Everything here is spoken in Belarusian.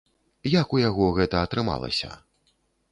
Як у яго гэта атрымалася?